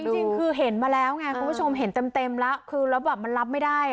จริงคือเห็นมาแล้วไงคุณผู้ชมเห็นเต็มแล้วคือแล้วแบบมันรับไม่ได้